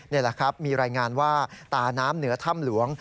นี่แหละครับมีรายงานว่าตาน้ำเหนือถ้ำหลวง